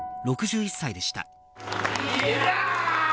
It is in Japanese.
６１歳でした。